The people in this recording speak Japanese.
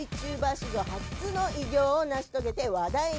史上初の偉業を成し遂げて話題に。